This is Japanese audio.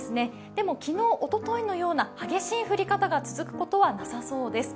でも昨日、おとといのような激しい降り方が続くことはなさそうです。